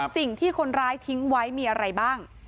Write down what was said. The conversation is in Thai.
สิ่งที่คนร้ายทิ้งไว้มีอะไรบ้าง